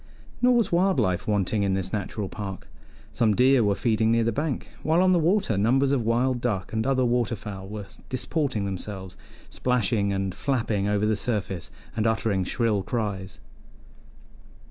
Nor was wild life wanting in this natural park; some deer were feeding near the bank, while on the water numbers of wild duck and other water fowl were disporting themselves, splashing and flapping over the surface and uttering shrill cries.